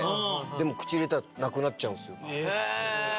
口入れたらなくなっちゃうんすよ。